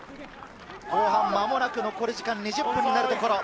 後半間もなく残り時間２０分になるところ。